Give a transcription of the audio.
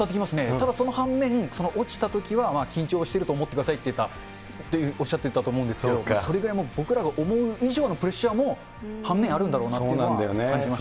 ただ、反面、落ちたときは緊張してると思ってくださいとおっしゃってたと思うんですけれども、それぐらい僕らが思う以上のプレッシャーも反面、あるんだろうなっていうのは感じました。